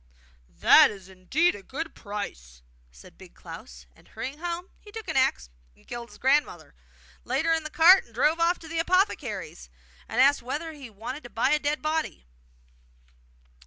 'That is indeed a good price!' said Big Klaus; and, hurrying home, he took an axe and killed his grandmother, laid her in the cart, and drove off to the apothecary's, and asked whether he wanted to buy a dead body.